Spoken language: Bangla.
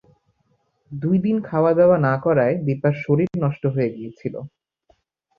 দুই দিন খাওয়াদাওয়া না-করায় দিপার শরীর নষ্ট হয়ে গিয়েছিল।